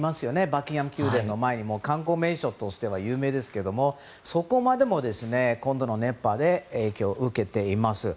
バッキンガム宮殿の前に観光名所として有名ですけどもそこまでも今度の熱波で影響を受けています